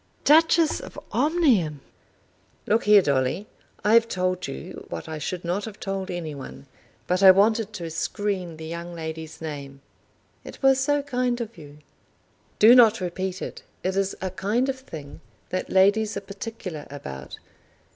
Duchess of Omnium!" "Look here, Dolly, I have told you what I should not have told any one, but I wanted to screen the young lady's name." "It was so kind of you." "Do not repeat it. It is a kind of thing that ladies are particular about.